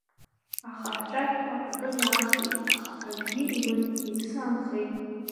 Ахаҳә-ҵәаҳәқәа акыр иаахеит, аха акгьы имыхьит, иԥсы аанхеит.